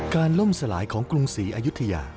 ล่มสลายของกรุงศรีอายุทยา